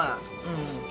うん。